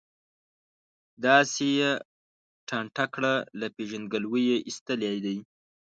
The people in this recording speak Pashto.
داسې یې ټانټه کړ، له پېژندګلوۍ یې ایستلی دی.